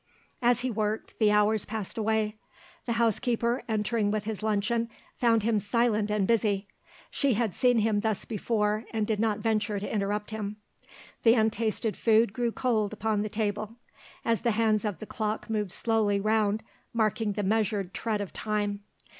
As he worked, the hours passed away. The housekeeper entering with his luncheon found him silent and busy; she had seen him thus before and did not venture to interrupt him. The untasted food grew cold upon the table, as the hands of the clock moved slowly round marking the measured tread of time.